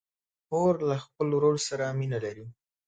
خور له خپل ورور سره مینه لري.